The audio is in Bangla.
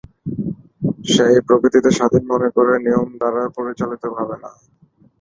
সে এই প্রকৃতিকে স্বাধীন মনে করে, নিয়মদ্বারা পরিচালিত ভাবে না।